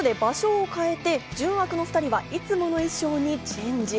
ということで場所を変えて純悪の２人はいつもの衣装にチェンジ。